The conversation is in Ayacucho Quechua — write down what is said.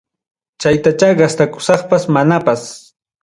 Chaytacha gastakusaqpas manapas.